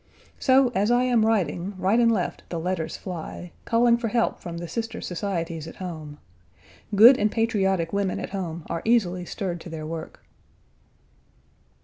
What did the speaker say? So, as I am writing, right and left the letters fly, calling for help from the sister societies at home. Good and patriotic women at home are easily stirred to their work.